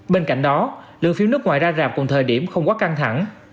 bên cạnh đó lượng phiếu nước ngoài ra rạp cùng thời điểm không quá căng thẳng